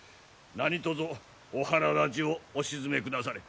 何とぞお腹立ちをお静めくだされ。